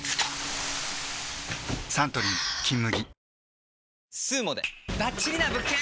サントリー「金麦」